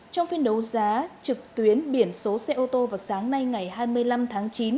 trong phiên đấu giá trực tuyến biển số xe ô tô vào sáng nay ngày hai mươi năm tháng chín